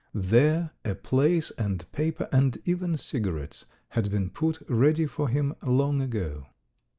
There a place and paper and even cigarettes had been put ready for him long ago.